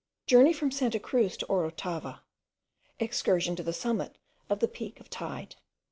JOURNEY FROM SANTA CRUZ TO OROTAVA. EXCURSION TO THE SUMMIT OF THE PEAK OF TEYDE.